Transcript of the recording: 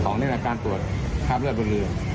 ๒นี่แหละการตรวจครับเลือดหลือ